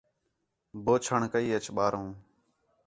بوچھݨ کَئی اچ ٻاہروں